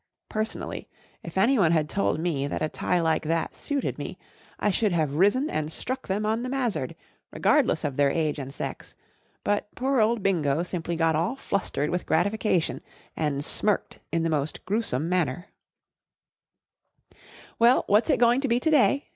Personally, if anyone had told me that a tie like that suited me, I should have risen and struck them on the mazzard, regardless of their age and sex ; but poor old Bingo simply got all flustered with gratification, and smirked in the most gruesome manner* 14 Well, what's it going to lie to day